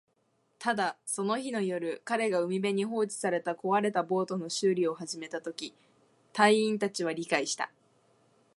ただ、その日の夜、彼が海辺に放置された壊れたボートの修理を始めたとき、隊員達は理解した